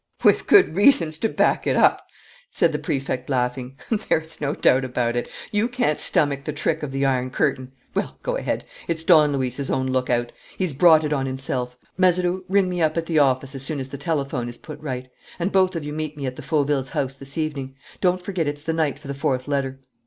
"With good reasons to back it up!" said the Prefect, laughing. "There's no doubt about it; you can't stomach the trick of the iron curtain. Well, go ahead! It's Don Luis's own lookout; he's brought it on himself. Mazeroux, ring me up at the office as soon as the telephone is put right. And both of you meet me at the Fauvilles' house this evening. Don't forget it's the night for the fourth letter."